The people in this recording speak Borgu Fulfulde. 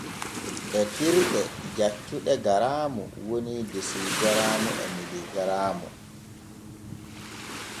Etirɗe jaccuɗe garaamu woni desigaraamu e miligaraamu.